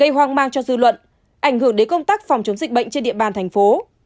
gây hoang mang cho dư luận ảnh hưởng đến công tác phòng chống dịch bệnh trên địa bàn thành phố